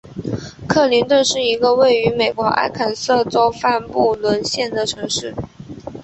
克林顿是一个位于美国阿肯色州范布伦县的城市。